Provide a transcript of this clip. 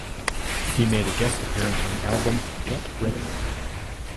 He made a guest appearance on the album Get Ready!